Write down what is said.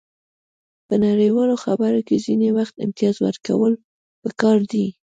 په نړیوالو خبرو کې ځینې وخت امتیاز ورکول پکار دي